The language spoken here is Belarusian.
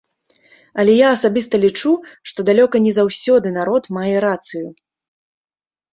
Але я асабіста лічу, што далёка не заўсёды народ мае рацыю.